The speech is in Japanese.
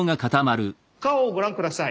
顔をご覧下さい。